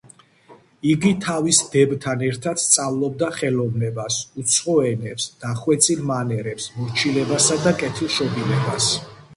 იგი თავის დებთან ერთად სწავლობდა ხელოვნებას, უცხო ენებს, დახვეწილ მანერებს, მორჩილებასა და კეთილშობილებას.